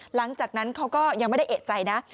หลังจากนั้นเขาก็ยังไม่ได้เอกใจนะ